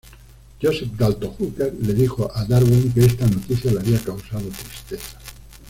Joseph Dalton Hooker le dijo a Darwin que esta noticia le había causado tristeza.